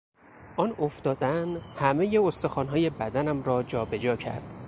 آن افتادن همهی استخوانهای بدنم را جابه جا کرد.